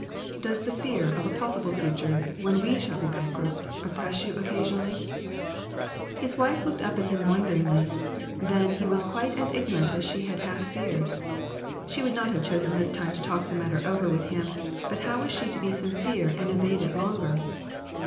Does the fear of a possible future when we shall be bankrupt oppress you occasionally ?" His wife looked up at him wonderingly ; then he was quite as ignorant as she had half feared. She would not have chosen this time to talk the matter over with him, but how was she to be sincere and evade it longer